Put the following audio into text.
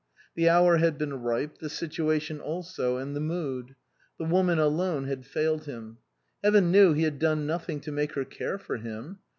The hour had been ripe, the situation also, and the mood ; the woman alone had failed him. Heaven knew he had done nothing to make her care for him.